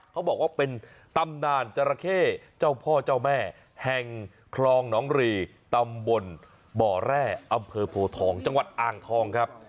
เขาบอกว่าเป็นตำนานจราเข้เจ้าพ่อเจ้าแม่แห่งคลองหนองรีตำบลบ่อแร่อำเภอโพทองจังหวัดอ่างทองครับ